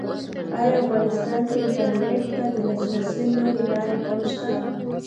ایا افغانستان کې انټرنېټ ته د لاسرسي نورې لارې هم شته؟